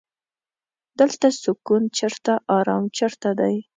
دلته سکون چرته ارام چرته دی.